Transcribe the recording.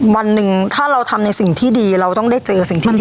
วันหนึ่งถ้าเราทำในสิ่งที่ดีเราต้องได้เจอสิ่งที่ดี